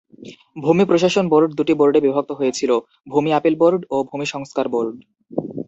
ভূমি প্রশাসন বোর্ড দুটি বোর্ডে বিভক্ত হয়েছিল, ভূমি আপিল বোর্ড এবং ভূমি সংস্কার বোর্ড।